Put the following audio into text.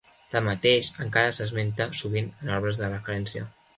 Tanmateix, encara s'esmenta sovint en obres de referència.